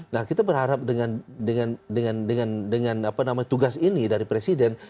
nah kita berharap dengan tugas ini dari presiden